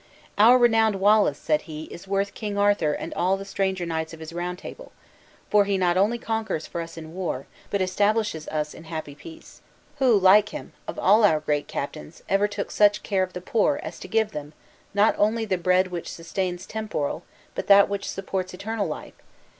"Our renowned Wallace," said he, "is worth King Arthur and all the stranger knights of his round table, for he not only conquers for us in war, but establishes us in happy peace. Who like him, of all our great captains, ever took such care of the poor as to give them, not only the bread which sustains temporal, but that which supports eternal life?